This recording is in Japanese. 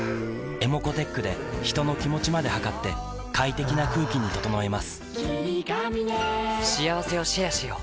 ｅｍｏｃｏーｔｅｃｈで人の気持ちまで測って快適な空気に整えます